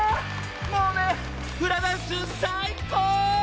もうねフラダンスさいこう！